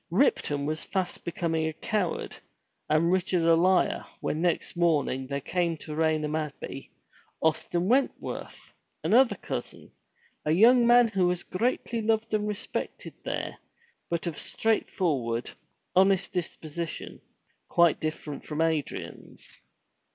Ripton was fast becoming a coward and Richard a liar when next morning there came to Raynham Abbey, Austin Wentworth, another cousin, a young man who was greatly loved and respected there, but of straightforward, honest disposition, quite different from Adrian's.